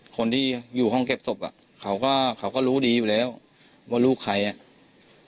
คนที่อยู่ห้องเก็บศพอ่ะเขาก็เขาก็รู้ดีอยู่แล้วว่าลูกใครอ่ะ